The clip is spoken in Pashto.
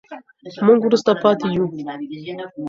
موږ وروسته پاتې يو.